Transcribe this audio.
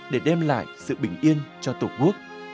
để đem lại sự bình yên cho tổ quốc